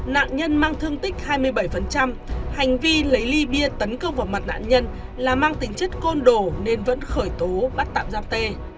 nạn nhân mang thương tích hai mươi bảy hành vi lấy ly bia tấn công vào mặt nạn nhân là mang tính chất côn đồ nên vẫn khởi tố bắt tạm giam tê